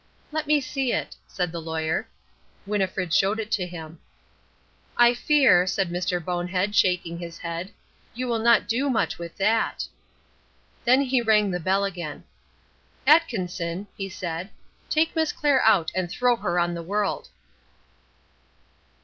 "Let me see it," said the Lawyer. Winnifred showed it to him. "I fear," said Mr. Bonehead, shaking his head, "you will not do much with that." Then he rang the bell again. "Atkinson," he said, "take Miss Clair out and throw her on the world."